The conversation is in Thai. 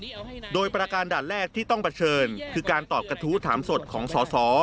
การปราการด่านแรกที่ต้องประเชิญคือการตอบกระทู้ถามสดของสส